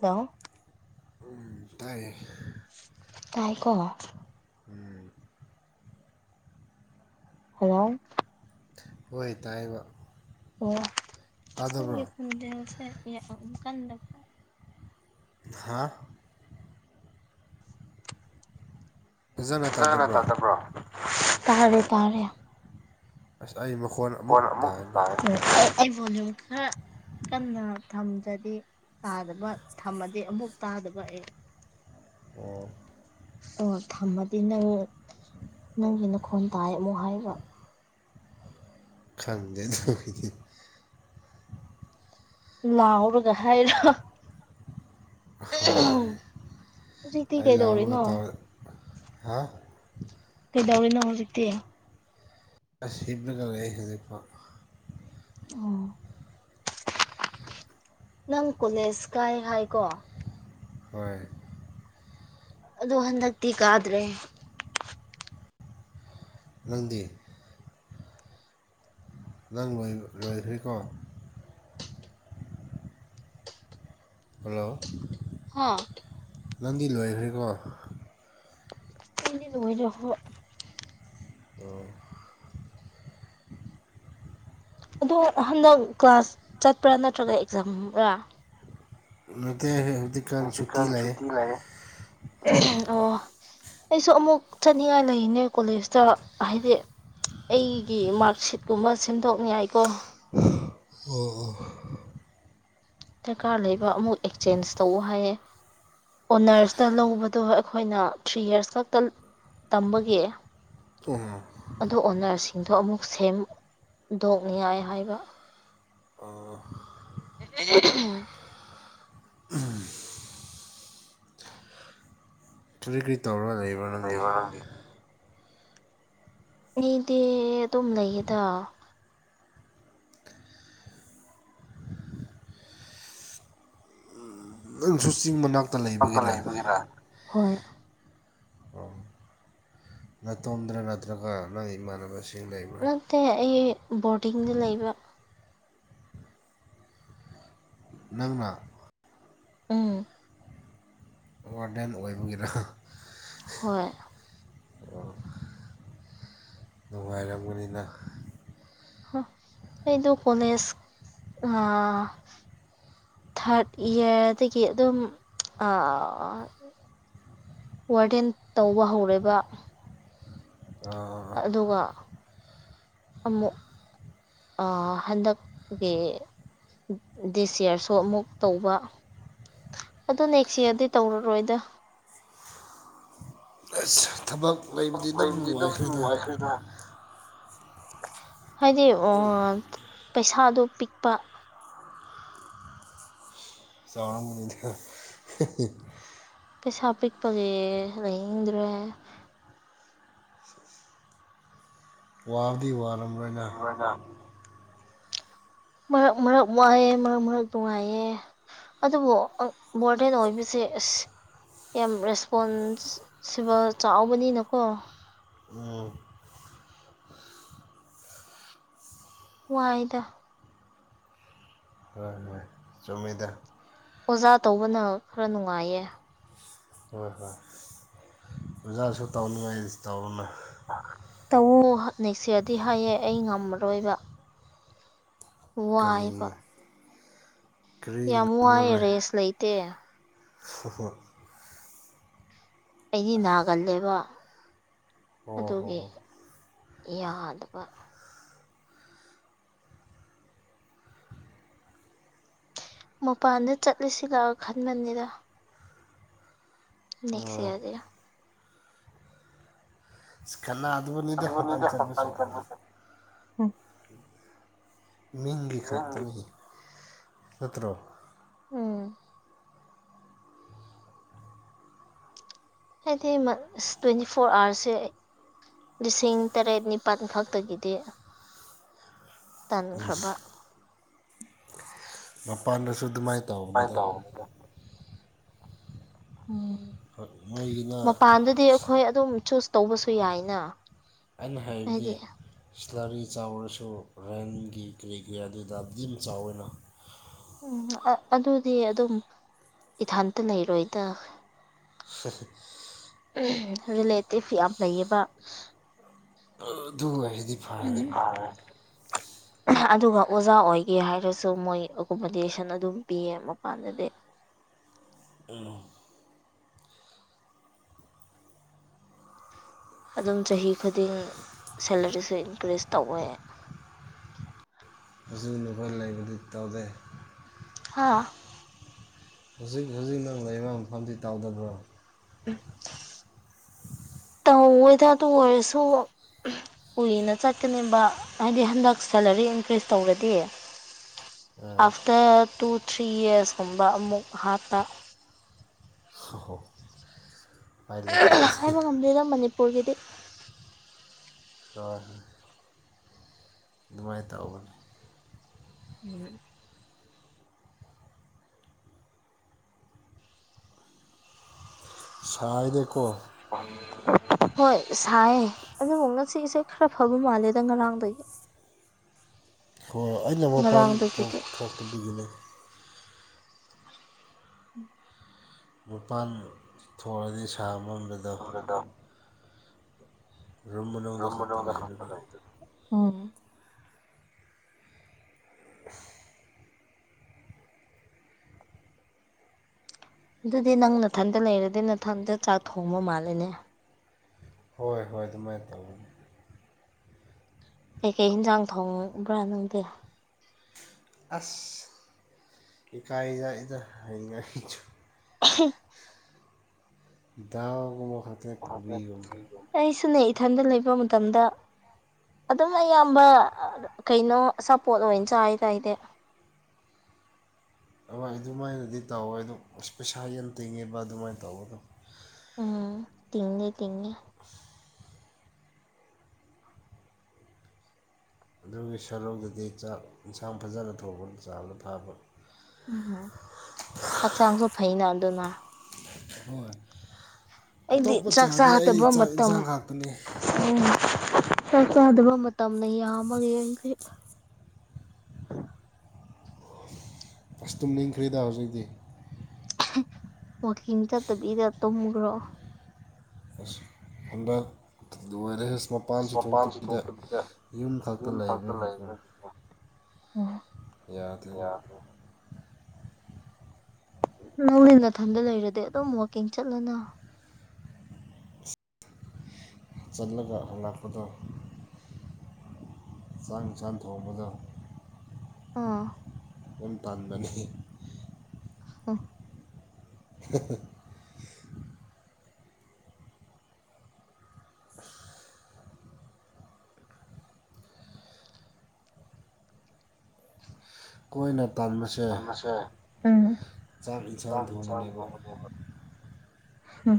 hello ꯎꯝ ꯇꯥꯏꯌꯦ ꯇꯥꯏꯀꯣ ꯎꯝ ꯍꯜꯂꯣ ꯍꯣꯏ ꯇꯥꯏꯌꯦꯕ ꯑꯣ ꯅꯪꯒꯤ ꯇꯥꯗꯕ꯭ꯔꯣ ꯈꯣꯟꯖꯦꯜꯁꯦ [unintelligible] ꯀꯟꯗ ꯍꯥꯥ ꯐꯖꯅ ꯇꯥꯗꯕ꯭ꯔ‌ꯣ ꯇꯥꯔꯦ ꯇꯥꯔꯦ ꯑꯁ ꯑꯩ ꯃꯈꯣꯟ ꯀꯣꯟ ꯑꯃꯨꯛ ꯇꯥꯏ ꯑꯩ ꯑꯩ ꯚ‌ꯣꯂ꯭ꯌꯨꯝ ꯈꯔ ꯀꯟꯅ ꯊꯝꯗ꯭ꯔꯗꯤ ꯇꯥꯗꯕ ꯊꯝꯃꯗꯤ ꯑꯃꯨꯛ ꯇꯥꯗꯕ ꯑꯦ ꯑꯣ ꯗꯨꯒ ꯊꯝꯃꯗꯤ ꯅꯪ ꯅꯪꯒꯤ ꯅꯈꯣꯟ ꯇꯥꯏ ꯑꯃꯨꯛ ꯍꯥꯏꯕ ꯈꯪꯗꯦ ꯇꯧꯏꯖꯦ ꯂꯥꯎꯔꯒ ꯍꯥꯏꯔꯣ ꯍꯣꯏ ꯍꯧꯖꯤꯛꯇꯤ ꯑꯩ ꯂꯥꯎꯔꯒ ꯀꯩꯗꯧꯔꯤꯅꯣ ꯇꯧꯔꯛ ꯍꯥ ꯀꯩꯗꯧꯔꯤꯅꯣ ꯍꯧꯖꯤꯛꯇꯤ ꯑꯁ ꯍꯤꯞꯂꯒ ꯂꯩ ꯍꯨꯖꯤꯛꯐꯥꯎ ꯑꯣ ꯅꯪ ꯀꯣꯂꯦꯖ ꯀꯥꯏ ꯍꯥꯏꯀꯣ ꯍꯣꯏ ꯑꯗ‌ꯣ ꯍꯟꯗꯛꯇꯤ ꯀꯥꯗ꯭ꯔꯦ ꯅꯪꯗꯤ ꯅꯪ ꯂꯣꯢ ꯂꯣꯏꯈ꯭ꯔꯦꯀꯣ ꯍꯜꯂꯣ ꯍꯥꯥ ꯅꯪꯗꯤ ꯂꯣꯏꯈ꯭ꯔꯦꯀꯣ [unintelligible] ꯂꯣꯏꯔꯦ ꯍꯣꯢꯠ [unintelligible] ꯑꯗꯣ ꯍꯟꯗꯛ ꯀ꯭ꯂꯥꯁ ꯆꯠꯄ꯭ꯔꯥ ꯅꯠꯇ꯭ꯔꯒ ꯑꯦꯛꯖꯥꯝꯔ ꯅꯇꯦ ꯍꯦ ꯍꯧꯖꯤꯛ ꯍꯧꯖꯤꯛꯀꯥꯟ ꯁꯨꯇꯤ ꯂꯩꯌꯦ [unintelligible] ꯑꯣ ꯑꯩꯁꯨ ꯑꯃꯨꯛ ꯆꯠꯅꯤꯡꯉꯥꯏ ꯂꯩꯅꯦ ꯀꯣꯂꯦꯖꯇ ꯍꯥꯏꯗꯤ ꯑꯩꯒꯤ ꯃꯥꯔꯛꯁꯤꯠꯀꯨꯝꯕ ꯁꯦꯝꯗꯣꯛꯅꯤꯉꯥꯏ ꯀꯣ ꯑꯣ ꯗꯔꯀꯥꯔ ꯂꯩꯕ ꯑꯃꯨꯛ ꯑꯦꯛꯆꯦꯟꯖ ꯇꯧꯋꯣ ꯍꯥꯏꯌꯦ ꯑꯣꯅꯔꯁꯇ ꯂꯧꯕꯗꯨꯒ ꯑꯈꯣꯏꯅ ꯊ꯭ꯔꯤ ꯌꯔꯁ ꯈꯛꯇ ꯇꯝꯕꯒꯤ [unintelligible] ꯑꯗꯣ ꯑꯣꯅꯔꯁꯤꯡꯗꯣ ꯑꯃꯨꯛ ꯁꯦꯝꯗꯣꯛꯅꯤꯉꯥꯏ ꯍꯥꯏꯕ ꯑꯣ [unintelligible] [unintelligible] [unintelligible] ꯀ꯭ꯔꯤ ꯀ꯭ꯔꯤ ꯇꯧꯔ ꯂꯩꯕ꯭ꯔꯣ ꯅꯪꯒꯤ ꯑꯩꯗꯤ ꯑꯗꯨꯝ ꯂꯩꯌꯦꯗ ꯅꯪꯁꯨ ꯆꯤꯡ ꯃꯅꯥꯛ ꯇꯝꯗ ꯂꯩꯕꯒꯤꯔ ꯍꯣꯢ [unintelligible] ꯅꯇꯣꯝꯗ꯭ꯔ ꯅꯠꯇ꯭ꯔꯒ ꯅꯪ ꯏꯃꯥꯟꯅꯕꯁꯤꯡ ꯂꯩꯕ꯭ꯔꯥ ꯇꯦ ꯑꯩ ꯕꯣꯔꯗꯤꯡꯗ ꯂꯩꯕ ꯅꯪꯔ ꯎꯝ ꯋꯥꯔꯗꯦꯟ ꯑꯣꯏꯕꯒꯤꯔ ꯍꯣꯏ ꯅꯨꯡꯉꯥꯏꯔꯝꯒꯅꯤꯗ [unintelligible] ꯑꯩꯗꯨ ꯀꯣꯂꯦꯁ [unintelligible] ꯊꯥꯔꯠ ꯏꯌꯔꯗꯒꯤ ꯑꯗꯨꯝ [unintelligible] ꯋꯥꯔꯗꯦꯟ ꯇꯧꯕ ꯍꯧꯔꯦꯕ ꯑꯗꯨꯒ ꯑꯃꯨꯛ [unintelligible] ꯍꯟꯗꯛꯀꯤ ꯗꯤꯁ ꯏꯌꯔꯁꯨ ꯑꯃꯨꯛ ꯇꯧꯕ ꯑꯗꯨ ꯅꯦꯛꯁ ꯏꯌꯔꯗꯤ ꯇꯧꯔꯔꯣꯏꯗ ꯑꯁ ꯊꯕꯛ ꯂꯩꯕꯗꯤ ꯑꯗꯨꯝ ꯅꯨꯡꯉꯥꯏꯈ꯭ꯔꯦꯗ [unintelligible] ꯍꯥꯏꯗꯤ ꯑꯣ ꯄꯩꯁꯥꯗꯣ ꯄꯤꯛꯄ [unintelligible] ꯄꯩꯁꯥ ꯄꯤꯛꯄꯒꯤ ꯂꯩꯅꯤꯡꯗ꯭ꯔꯦ ꯋꯥꯕꯗꯤ ꯋꯥꯔꯝ ꯉꯣꯏꯗ ꯃꯔꯛ ꯃꯔꯛ ꯋꯥꯥꯏꯌꯦ ꯃꯔꯛ ꯃꯔꯛ ꯅꯨꯉꯥꯏꯌꯦ ꯑꯗꯨꯕꯨ ꯃꯣꯔꯗ꯭ꯔꯦꯟ ꯑꯣꯏꯕꯁꯦ ꯑꯁ ꯌꯥꯝ ꯔꯦꯁꯄꯣꯟꯁ ꯁꯤꯕꯜ ꯆꯥꯎꯕꯅꯤꯅꯀꯣ ꯎꯝ ꯋꯥꯏꯗ ꯍꯣ ꯍꯣꯏ ꯆꯨꯝꯃꯤꯗ ꯑꯣꯖꯥ ꯇꯧꯕꯅ ꯈꯔ ꯅꯨꯡꯉꯥꯏꯌꯦ ꯍꯣꯏ ꯍꯣꯏ ꯑꯣꯖꯥꯁꯨ ꯇꯧꯅꯤꯡꯉꯥꯏ [unintelligible] ꯇꯧꯋꯣ ꯅꯦꯛꯁ ꯌꯔꯗꯤ ꯍꯥꯏꯌꯦ ꯑꯩ ꯉꯝꯃꯔꯣꯏꯕ ꯋꯥꯏꯕ ꯀꯔꯤ ꯀꯔꯤ ꯌꯥꯝ ꯋꯥꯏꯌꯦ ꯉꯝꯃꯔꯣꯏ ꯔꯦꯁ ꯂꯩꯇꯦ [unintelligible] ꯑꯩꯗꯤ ꯅꯥꯒꯜꯂꯦꯕ ꯑꯣ ꯍꯣ ꯑꯗꯨꯒꯤ ꯍꯣ ꯌꯥꯗꯕ ꯃꯄꯥꯟꯗ ꯆꯠꯂꯁꯤꯔ ꯈꯟꯕꯅꯤꯗ ꯅꯦꯛꯁ ꯎꯝ ꯌꯔꯗꯩꯔ ꯏꯁ ꯀꯅꯥꯗꯕꯅꯤꯗ ꯃꯄꯥꯟ ꯆꯠꯄꯁꯨ ꯎꯝ ꯃꯤꯡꯒꯤ ꯈꯛꯇꯅꯤ ꯅꯠꯇ꯭ꯔꯣ ꯎꯝ ꯍꯥꯏꯗꯤ ꯃ ꯏꯁ ꯇ꯭ꯋꯦꯟꯇꯤ ꯐꯣꯔ ꯑꯥꯋꯥꯔꯁꯦ ꯂꯤꯁꯤꯡ ꯇꯔꯦꯠ ꯅꯤꯄꯥꯟ ꯈꯛꯇꯒꯤꯗꯤ ꯇꯟꯈ꯭ꯔꯕ ꯃꯄꯥꯟꯗꯁꯨ ꯗꯨꯃꯥꯏ ꯇꯧꯕꯅꯤꯗ ꯎꯝ ꯅꯣꯏꯒꯤꯅ ꯃꯄꯥꯟꯗꯗꯤ ꯑꯈꯣꯏ ꯑꯗꯨꯝ ꯆꯨꯁ ꯇꯧꯕꯁꯨ ꯌꯥꯏꯅ ꯑꯩꯅ ꯍꯥꯏꯕꯗꯤ ꯍꯥꯏꯗꯤ ꯏꯁꯂꯔꯤ ꯆꯥꯎꯔꯁꯨ ꯔꯦꯟꯒꯤ ꯀꯔꯤꯒꯤ ꯑꯗꯨ ꯗꯥꯗꯤ ꯑꯗꯨꯝ ꯆꯥꯎꯋꯦꯅ ꯎꯝ ꯑ-ꯑꯗꯨꯗꯤ ꯑꯗꯨꯝ ꯏꯊꯥꯟꯇ ꯂꯩꯔꯣꯏꯗ [unintelligible] [unintelligible] ꯔꯤꯂꯦꯇꯤꯞ ꯌꯥꯝ ꯂꯩꯌꯦꯕ ꯑꯗꯨ ꯑꯣꯏꯔꯗꯤ ꯐꯔꯦ [inaudible] ꯑꯗꯨꯒ ꯑꯣꯖꯥ ꯑꯣꯏꯒꯦ ꯍꯥꯏꯔꯁꯨ ꯃꯣꯏ ꯑꯣꯀꯣꯃꯣꯗꯦꯁꯟ ꯑꯗꯨꯝ ꯄꯤꯌꯦ ꯃꯄꯥꯟꯗꯗꯤ [unintelligible] ꯑꯗꯨꯝ ꯆꯍꯤ ꯈꯨꯗꯤꯡ ꯁꯦꯂꯔꯤꯁꯤ ꯏꯟꯀ꯭ꯔꯤꯖ ꯇꯧꯋꯦ ꯑꯖꯨꯅꯤ ꯈꯣꯏ ꯂꯩꯕꯗꯤ ꯏꯇꯥꯎꯗꯤ ꯍꯥꯥ ꯍꯨꯖꯤꯛ ꯍꯨꯖꯤꯛ ꯅꯪ ꯂꯩꯕ ꯃꯐꯝꯗꯤ ꯇꯥꯎꯗꯕ꯭ꯔꯣ ꯇꯧꯋꯦꯗ ꯑꯗꯨ ꯑꯣꯏꯔꯁꯨ ꯀꯨꯏꯅ ꯆꯠꯀꯅꯤꯕ ꯍꯥꯏꯗꯤ ꯍꯟꯗꯛ ꯁꯦꯂꯔꯤ ꯏꯟꯀ꯭ꯔꯤꯁ ꯇꯧꯔꯗꯤ ꯑꯥ ꯑꯐꯇ꯭ꯔ ꯇꯨ ꯊ꯭ꯔꯤ ꯌꯔꯁꯀꯨꯝꯕ ꯑꯃꯨꯛ ꯍꯥꯠꯄ [unintelligible] ꯎꯄꯥꯏ ꯂꯩꯇꯦ ꯑꯗꯨꯗꯤ ꯍꯥꯏꯕ ꯉꯝꯗꯦꯗ ꯃꯅꯤꯄꯨꯔꯒꯤꯗꯤ [unintelligible] ꯗꯨꯃꯥꯏꯅ ꯇꯧꯕꯅꯤ ꯎꯝ ꯁꯥꯏꯗꯦꯀꯣ ꯍꯣꯏ ꯁꯥꯏꯌꯦ ꯑꯗꯨꯕꯨ ꯉꯁꯤꯁꯦ ꯈꯔ ꯐꯕ ꯃꯥꯜꯂꯦꯗ ꯉꯔꯥꯡꯗꯒꯤ ꯍꯣ ꯑꯩꯅ ꯃꯄꯥꯟ ꯊꯣꯛ ꯉꯔꯥꯡꯗꯒꯤꯗꯤ ꯊꯣꯛꯇꯕꯤꯒꯤꯅꯤ [inaudible] ꯃꯄꯥꯥꯟ ꯊꯣꯛꯔꯗꯤ ꯁꯥꯃꯟꯕ [unintelligible] ꯔꯨꯝ ꯃꯅꯨꯡꯗ ꯈꯛꯇ ꯂꯩꯕꯒꯤ ꯎꯝ ꯗꯨꯗꯤ ꯅꯪ ꯅꯊꯟꯇ ꯂꯩꯔꯗꯤ ꯅꯊꯟꯇ ꯆꯥꯛ ꯊꯣꯡꯕ ꯃꯥꯜꯂꯦꯅꯦ ꯍꯣꯏ ꯍꯣꯏ ꯗꯨꯃꯥꯏꯟ ꯇꯧꯕꯅꯤ ꯀꯩ ꯀꯩ ꯍꯤꯟꯖꯥꯡ ꯊꯣꯡꯕ꯭ꯔꯥ ꯅꯪꯗꯤ ꯑꯁ ꯏꯀꯥꯏꯗ [unintelligible] ꯗ ꯍꯩꯅꯒꯤꯆꯨ [inaudible] ꯗꯥꯎꯒ ꯃꯈ ꯑꯩꯁꯨꯅꯦ ꯏꯊꯟꯗ ꯂꯩꯕ ꯃꯇꯝꯗ ꯑꯗꯨꯝ ꯑꯌꯥꯝꯕ ꯀꯩꯅꯣ ꯑꯆꯥꯄꯣꯠ ꯑꯣꯏꯅ ꯆꯥꯏꯗ ꯑꯩꯗꯤ ꯍꯣꯏ ꯑꯗꯨꯃꯥꯏꯅꯗꯤ ꯇꯧꯋꯦ ꯑꯗꯨ ꯄꯩꯁꯥ ꯌꯦꯟ ꯇꯤꯡꯉꯦꯕ ꯑꯗꯨꯃꯥꯏꯅ ꯇꯧꯕꯗꯣ ꯎꯝ ꯇꯤꯡꯗꯤ ꯇꯤꯡꯉꯦ [inaudible] ꯑꯗꯨꯒꯤ ꯁꯂꯧꯗꯗꯤ ꯆꯥꯛ ꯏꯟꯁꯥꯡ ꯐꯖꯅ ꯊꯣꯡꯔꯒ ꯆꯥꯕꯅꯥ ꯐꯥꯕ ꯎꯝ ꯍꯛꯆꯥꯡꯁꯨ ꯐꯩꯅ ꯑꯗꯨꯅ ꯍꯣꯏ ꯑꯩꯗꯤ ꯑꯇꯣꯞꯄ ꯆꯥꯛ ꯆꯥꯗꯦ ꯑꯩ ꯆꯥꯗꯕ ꯆꯥꯛ ꯃꯇꯝ ꯏꯟꯁꯥꯡ ꯉꯥꯛꯇꯅꯤ ꯎꯝ ꯆꯥꯛ ꯆꯥꯗꯕ ꯃꯇꯝꯅ ꯌꯥꯝꯃꯒꯤ ꯑꯩꯗꯤ ꯑꯁ ꯇꯨꯝꯅꯤꯡꯈ꯭ꯔꯦꯗ ꯍꯧꯖꯤꯛꯇꯤ ꯋꯥꯀꯤꯡ ꯆꯠꯇꯕꯤꯗ ꯇꯨꯝꯒ꯭ꯔꯣ ꯑꯁ ꯍꯟꯗꯛ ꯂꯣꯏꯔꯦꯍꯦ ꯁ꯭ꯃꯣꯛ ꯄꯥꯟꯁꯨ ꯊꯣꯛꯇꯕꯤꯗ ꯌꯨꯝ ꯈꯛꯇ ꯂꯩꯥꯕꯒꯤꯀꯣ ꯎꯝ ꯌꯥꯗꯦꯅ ꯅꯪꯗꯤ ꯅꯊꯟꯗ ꯂꯩꯔꯗꯤ ꯑꯗꯨꯝ ꯋꯥꯛꯀꯤꯡ ꯆꯠꯂꯣꯅ ꯆꯜꯂꯒ ꯍꯂꯛꯄꯗꯣ ꯆꯥꯡ ꯆꯥꯝ ꯊꯣꯡꯕꯗꯣ ꯑꯥ ꯎꯝ ꯇꯥꯟꯕꯅꯦ ꯍ [inaudible] ꯀꯣꯏꯅ ꯇꯥꯟꯕꯁ ꯠꯟꯕꯁꯦ ꯎꯝ ꯆꯥꯛ ꯏꯟꯁꯥꯡ ꯊꯣꯡꯕꯅꯦꯕ ꯍꯨꯝ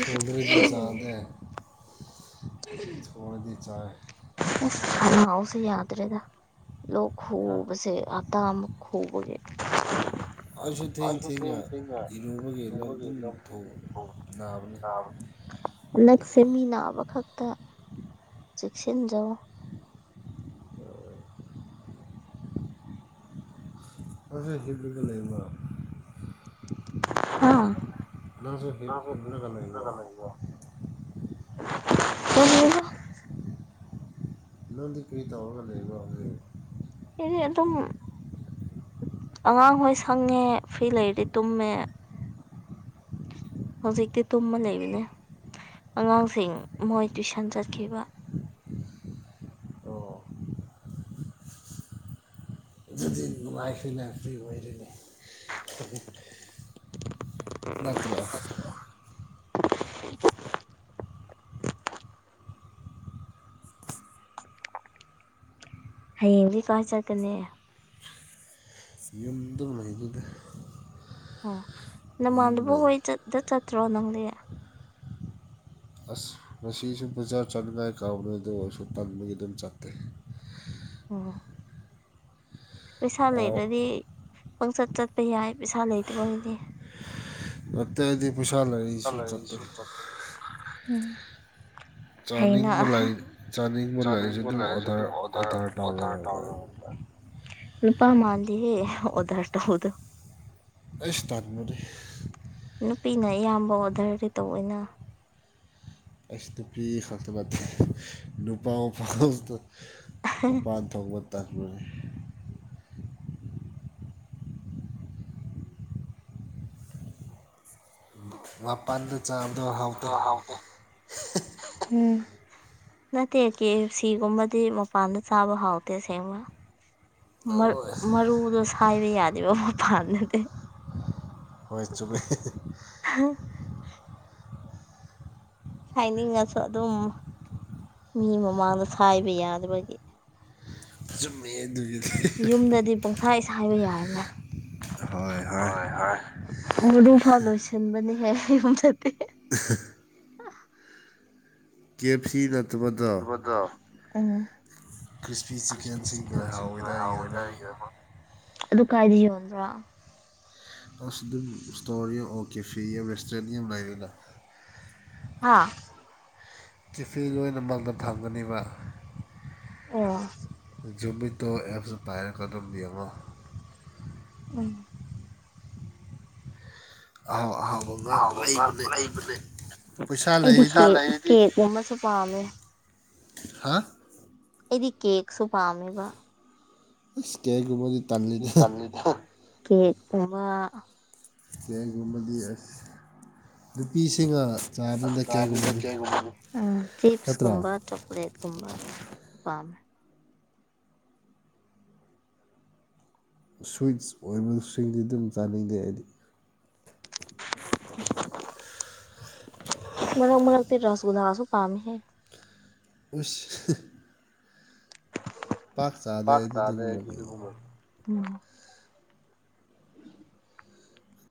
ꯊꯣꯡꯗ꯭ꯔꯗꯤ ꯆꯥꯗꯦ [inaudible] ꯊꯣꯡꯔꯗꯤ ꯆꯥꯏ ꯑꯁ ꯈꯅꯥꯎꯁꯦ ꯌꯥꯗ꯭ꯔꯦꯗ ꯂꯣꯛ ꯈꯨꯕꯁꯦ ꯍꯥꯛ [unintelligible] ꯑꯩꯁꯨ ꯊꯦꯡ ꯊꯦꯡꯔ ꯏꯔꯨꯕꯒꯤ ꯂꯣꯛ ꯑꯗꯨꯝ ꯊꯨꯡ ꯅꯥꯕꯅꯤ ꯍꯟꯗꯛꯁꯦ ꯃꯤ ꯅꯥꯕ ꯈꯛꯇ ꯆꯦꯛꯁꯤꯟꯖꯧ ꯑꯗꯨꯒꯤ ꯍꯤꯞꯂꯒ ꯂꯩ ꯃꯥ ꯍꯥ ꯅꯪꯁꯨ ꯍꯤꯞ ꯍꯤꯞꯔꯒ ꯂꯩꯕ꯭ꯔꯥ ꯀꯔꯤꯔ ꯅꯪꯗꯤ ꯀꯔꯤ ꯇꯧꯔꯒ ꯂꯩꯕ꯭ꯔꯣ ꯍꯧꯖꯤꯛ ꯑꯩꯗꯤ ꯑꯗꯨꯝ ꯑꯉꯥꯡꯍꯣꯏ ꯁꯪꯉꯦ ꯐ꯭ꯔꯤ ꯂꯩꯔꯗꯤ ꯇꯨꯝꯃꯦ ꯍꯧꯖꯤꯛꯇꯤ ꯇꯨꯝꯃ ꯂꯩꯕꯅꯦ ꯑꯉꯥꯡꯁꯤꯡ ꯃꯣꯢ ꯇꯨꯢꯁꯟ ꯆꯠꯈꯤꯕ ꯑꯣ [unintelligible] ꯅꯠꯇ꯭ꯔꯣ [inaudible] ꯍꯌꯦꯡꯗꯤ ꯀꯥꯢ ꯆꯠꯀꯅꯤ ꯌꯨꯝꯗꯣ ꯉꯥꯢꯕꯤꯕ ꯑꯣ ꯅꯃꯥꯟꯅꯕ ꯂꯩ ꯍꯣꯢ ꯆꯠ ꯆꯠ ꯆꯠꯇ꯭ꯔꯣ ꯅꯪꯗꯤ ꯑꯁ ꯉꯁꯤꯖꯨ ꯕꯖꯥꯔ ꯆꯠꯅꯤꯉꯥꯢ ꯀꯥꯎꯕꯅꯦ ꯑꯗꯨ ꯑꯣꯏꯔꯁꯨ ꯇꯟꯕꯒꯤ ꯑꯗꯨꯝ ꯆꯠꯇꯦ [unintelligible] ꯄꯩꯁꯥ ꯑꯥꯎ ꯂꯩꯔꯗꯤ ꯄꯪꯆꯠ ꯆꯠꯄ ꯌꯥꯢ ꯄꯩꯁꯥ ꯂꯩꯇꯕꯒꯤꯗꯤ ꯑꯠꯇꯩꯗꯤ ꯄꯨꯨꯁꯥ ꯂꯩ ꯁꯥ ꯂꯩꯔ ꯁꯨ ꯆꯠꯇꯦ ꯎꯝ ꯍꯩꯅ ꯆꯥꯅꯤꯡꯕ ꯍ ꯂꯩ ꯂꯩꯔꯁꯨ ꯆꯥꯅꯤꯡꯕ ꯂꯥꯢꯔꯖꯨ ꯑꯗꯨꯝ ꯑꯣꯗꯔ ꯑꯣꯗꯔ ꯇꯧꯔꯒ ꯇꯧꯔꯣ ꯂꯩ ꯅꯨꯄꯥ ꯃꯥꯟꯗꯤꯍꯦ ꯑꯣꯗꯔ ꯇꯧꯗꯣ ꯑꯩꯁ ꯇꯟꯕꯅꯦ ꯅꯨꯄꯤꯅ ꯑꯌꯥꯝꯕ ꯑꯣꯗꯔꯗꯤ ꯇꯧꯋꯤꯅ [unintelligible] ꯇꯧꯕ ꯇꯟꯕꯅꯦ ꯃꯄꯥꯟꯗꯨ ꯆꯥꯕꯗꯣ ꯍꯥꯎ [unintelligible] ꯅꯠꯇꯦ ꯀꯦ ꯑꯦꯐ ꯁꯤꯒꯨꯝꯕꯗꯤ ꯃꯄꯥꯟꯗ ꯆꯥꯕ ꯍꯥꯎꯇꯦ ꯁꯦꯡꯅ ꯃꯔ ꯍꯣꯏ ꯃꯔꯨꯗꯣ ꯁꯥꯢꯕ ꯌꯥꯗꯦꯕ ꯃꯄꯥꯟꯗꯗꯤ ꯍꯣꯢ ꯆꯨꯝꯃꯦ ꯍꯦ ꯍꯦ ꯍ ꯁꯥꯢꯅꯤꯡꯉꯁꯨ ꯑꯗꯨꯝ ꯃꯤ ꯃꯃꯥꯡꯗ ꯁꯥꯢꯕ ꯌꯥꯗꯕꯒꯤ ꯆꯨꯝꯃꯦ ꯑꯗꯨꯒꯤꯗꯤ ꯌꯨꯝꯗꯗꯤ ꯄꯪꯁꯥꯢ ꯁꯥꯢꯕ ꯌꯥꯢꯑꯦꯅ ꯍꯣꯏ ꯍꯣꯏ ꯍꯣꯢ ꯍꯣꯢ ꯃꯔꯨ ꯐꯥꯎ ꯂꯣꯢꯁꯟꯕꯅꯦꯍꯦ ꯌꯨꯝꯗꯗꯤ ꯀꯦꯞ ꯑꯦꯐ ꯁꯤꯅ ꯑꯕꯗꯣ ꯑꯪ ꯀ꯭ꯔꯤꯁꯄꯤ ꯆꯤꯛꯀꯦꯟꯁꯤꯡꯗꯣ ꯍꯥꯎꯋꯦꯗꯥꯢ ꯑꯃꯒꯤ ꯑꯗꯨ ꯀꯥꯢꯗ ꯌꯣꯟꯕ꯭ꯔꯥ [unintelligible] ꯍꯥꯥ ꯀꯦꯐꯦ ꯂꯣꯏꯅꯃꯛꯗ ꯊꯝꯒꯅꯦꯕꯥ ꯑꯣ ꯖꯨꯃꯤꯇꯣ ꯑꯦꯞꯁ ꯗꯣ ꯄꯥꯏꯔꯒ ꯑꯗꯨꯝ ꯌꯦꯡꯉꯣ ꯎꯝ ꯑꯍꯥꯎ ꯑꯍꯥꯎꯕ ꯉꯥꯛ ꯑꯍꯥꯎꯕ ꯂꯩꯕꯅꯦ ꯃ ꯂꯩꯕꯅꯦ ꯄꯩꯁꯥ ꯑꯩꯗꯤ ꯂꯩꯔꯗꯤ ꯀꯦꯛ ꯀꯦꯛꯀꯨꯝꯕꯁꯨ ꯄꯥꯝꯃꯦ ꯍꯥꯥ ꯑꯩꯗꯤ ꯀꯦꯛꯁꯨ ꯄꯥꯝꯃꯦꯕꯥ ꯏꯁ ꯀꯦꯛꯀꯨꯝꯕꯗꯤ ꯇꯜꯂꯦ ꯇꯜꯂꯤꯗ ꯀꯦꯛ ꯎꯃꯥ ꯀꯦꯛꯒꯨꯝꯕꯗꯤ ꯑꯁ ꯅꯨꯄꯤꯁꯤꯡꯉ ꯑꯁ ꯆꯥꯅꯨꯗ ꯀꯦꯛꯀꯨꯝꯕꯗꯤ ꯎꯝ ꯅꯠꯇ꯭ꯔꯥ ꯆꯤꯞꯁꯀꯨꯝꯕ ꯆꯣꯀ꯭ꯂꯦꯠꯀꯨꯝꯕ ꯄꯥꯝꯃꯦ ꯁ꯭ꯋꯤꯠꯁ ꯑꯣꯏꯕꯁꯤꯡꯗꯤ ꯗꯨꯝ ꯆꯥꯅꯤꯡꯗꯦ ꯑꯩꯗꯤ ꯃꯔꯛ ꯃꯔꯛꯇ ꯔꯣꯁꯒꯨꯂꯥꯁꯨ ꯄꯥꯝꯃꯤꯍꯦ ꯑꯁ ꯍꯥ ꯄꯥꯥꯛ ꯆꯥꯗꯦ ꯑꯩꯗꯤ ꯑꯗꯨꯒꯨꯝꯕꯗꯣ